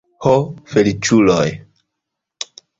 Ho, feliĉuloj!